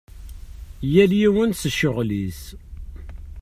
Yal yiwen s ccɣel-is.